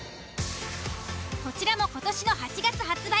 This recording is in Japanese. こちらも今年の８月発売。